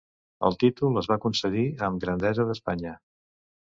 El títol es va concedir amb Grandesa d'Espanya.